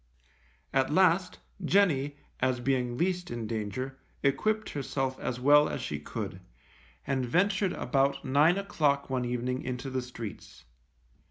At last, Jenny, as being least in danger, equipped herself as well as she could, and ventured about nine o'clock one evening into the streets.